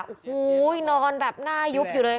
โอ้โหนอนแบบหน้ายุบอยู่เลย